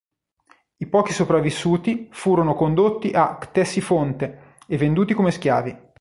I pochi sopravvissuti furono condotti a Ctesifonte e venduti come schiavi.